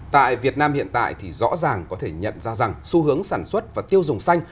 tại việt nam hiện tại thì rõ ràng có thể nhận ra rằng xu hướng sản xuất và tiêu dùng xanh